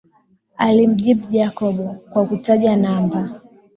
Alimjibu Jacob kwa kutaja namba